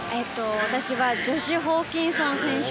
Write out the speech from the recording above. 私はジョシュ・ホーキンソン選手。